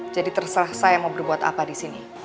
jadi terserah saya mau berbuat apa di sini